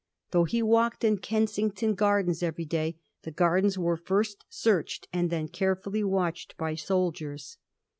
Though he walked in Kensington Gardens every day, the gardens were first searched, and then carefuUy watched by soldiers.